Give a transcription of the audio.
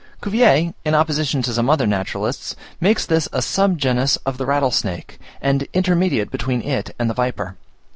Cuvier, in opposition to some other naturalists, makes this a sub genus of the rattlesnake, and intermediate between it and the viper.